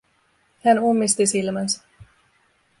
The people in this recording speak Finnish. Hän ummisti silmänsä.